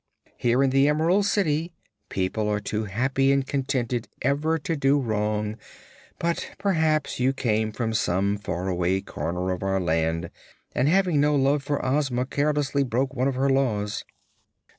Here in the Emerald City people are too happy and contented ever to do wrong; but perhaps you came from some faraway corner of our land, and having no love for Ozma carelessly broke one of her Laws."